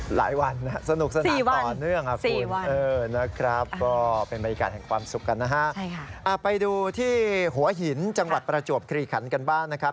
หลายวันนะครับสนุกสนานต่อเนื่องคุณเป็นบริการของความสุขกันนะครับไปดูที่หัวหินจังหวัดประจวบครีขันกันบ้างนะครับ